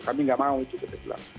kami nggak mau itu kita bilang